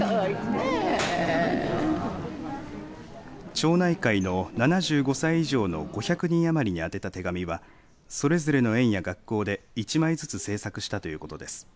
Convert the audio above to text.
町内会の７５歳以上の５００人余りに宛てた手紙はそれぞれの園や学校で一枚ずつ制作したということです。